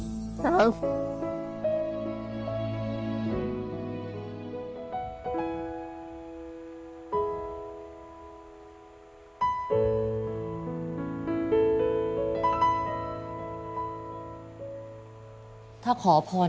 คุณผู้ชมครับน้องเท่อาจจะพูดไม่ค่อยสะดวกนะครับเพราะว่าเวลาที่พูดแต่ละทีเนี่ยจะมีอาการที่เกร็ง